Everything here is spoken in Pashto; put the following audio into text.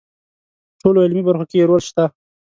په ټولو علمي برخو کې یې رول شته.